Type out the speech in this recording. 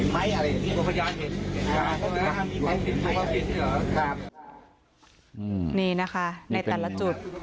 นี่นะคะในแต่ละจุด